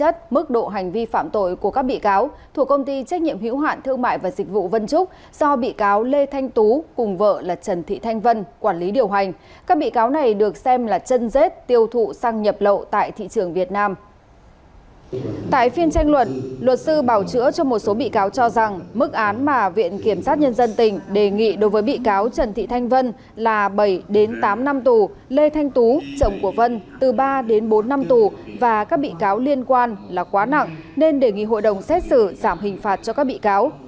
tại phiên tranh luận luật sư bảo chữa cho một số bị cáo cho rằng mức án mà viện kiểm sát nhân dân tỉnh đề nghị đối với bị cáo trần thị thanh vân là bảy tám năm tù lê thanh tú chồng của vân từ ba bốn năm tù và các bị cáo liên quan là quá nặng nên đề nghị hội đồng xét xử giảm hình phạt cho các bị cáo